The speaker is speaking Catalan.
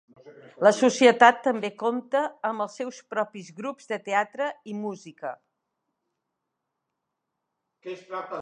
La Societat també compta amb els seus propis grups de teatre i música.